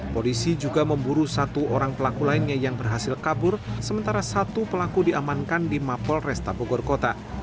polisi juga memburu satu orang pelaku lainnya yang berhasil kabur sementara satu pelaku diamankan di mapol resta bogor kota